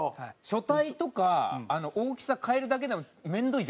書体とか大きさ変えるだけでもめんどいじゃないですか。